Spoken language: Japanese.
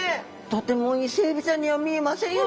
とてもイセエビちゃんには見えませんよね。